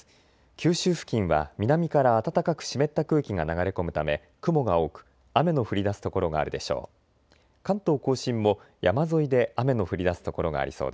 九州付近は南から暖かく湿った空気が流れ込むため、雲が多く雨の降りだす所があるでしょう。